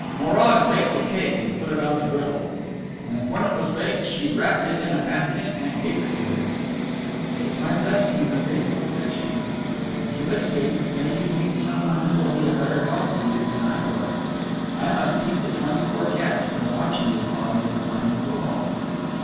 Morag baked a cake and put it on the griddle. And when it was baked she wrapped it in a napkin and gave it to him. "Take my blessing with it," said she, "and if you escape, may you meet someone who will be a better help to you than I was. I must keep the twenty four cats from watching you while you are climbing the wall."